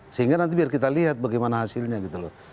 sehingga nanti biar kita lihat bagaimana hasilnya gitu loh